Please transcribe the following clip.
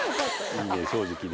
いいね正直で。